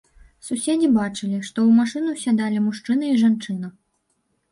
Суседзі бачылі, што ў машыну сядалі мужчына і жанчына.